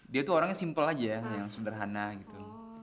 dia tuh orangnya simple aja ya yang sederhana gitu